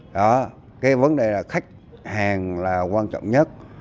đó cái vấn đề là khách hàng là quan trọng nhất